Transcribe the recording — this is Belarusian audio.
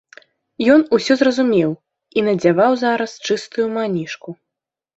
Ён усё зразумеў і надзяваў зараз чыстую манішку.